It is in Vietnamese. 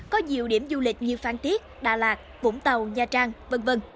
có nhiều điểm du lịch như phan tiết đà lạt vũng tàu nha trang v v